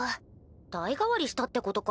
代替わりしたってことか。